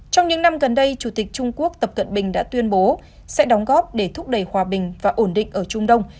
trong những năm gần đây chủ tịch trung quốc tập cận bình đã tuyên bố sẽ đóng góp để thúc đẩy hòa bình và ổn định ở trung đông